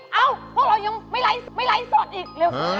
เอ้าพวกเรายังไม่ไลฟ์สดอีกเร็ว